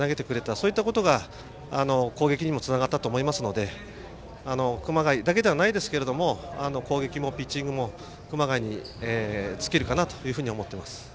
そういったことが攻撃にもつながったと思いますので熊谷だけじゃないですが攻撃もピッチングも熊谷に尽きるかなと思っています。